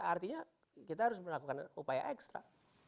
artinya kita harus melakukan upaya ekstra